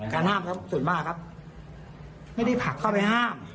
ห้ามครับส่วนมากครับไม่ได้ผลักเข้าไปห้าม